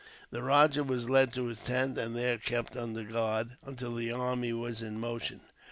The rajah was led to his tent, and there kept under a guard, until the army was in motion.